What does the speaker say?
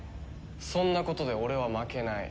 そんなことで俺は負けない。